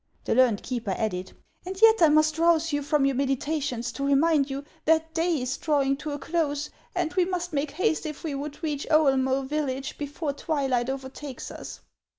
The learned keeper added :—" And yet I must rouse you from your meditations to remind you that day is drawing to a close, and we must make haste if we would reach Oelmoe village before twi light overtakes us."